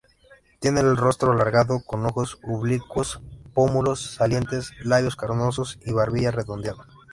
Tienen el rostro alargado, con ojos oblicuos, pómulos salientes, labios carnosos y barbilla redondeada.